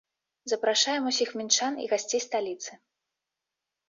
Запрашаем усіх мінчан і гасцей сталіцы!